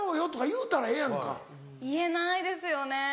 言えないですよね。